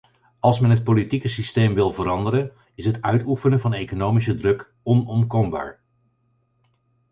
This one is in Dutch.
Als men het politieke systeem wil veranderen, is het uitoefenen van economische druk onontkoombaar.